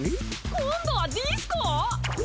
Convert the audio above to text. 今度はディスコウ！？